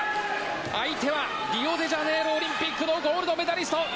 相手はリオデジャネイロオリンピックのゴールドメダリスト。